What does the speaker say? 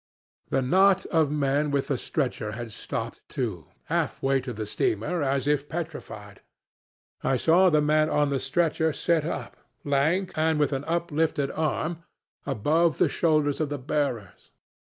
The knot of men with the stretcher had stopped too, half way to the steamer, as if petrified. I saw the man on the stretcher sit up, lank and with an uplifted arm, above the shoulders of the bearers.